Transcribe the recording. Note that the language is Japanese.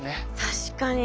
確かに。